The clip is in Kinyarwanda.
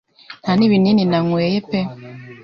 nta n’ibinini nanyweye pe